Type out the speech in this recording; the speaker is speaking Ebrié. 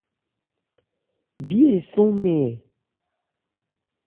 Bí esɔ́n nɛɛn ɛ ?